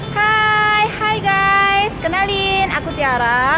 hai hai guys kenalin aku tiara